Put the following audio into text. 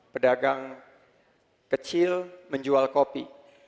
pedagang kecil menjual kopi